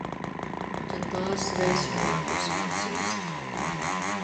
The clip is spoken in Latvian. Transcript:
Tad pāris reizes vēl ārpus Vācijas.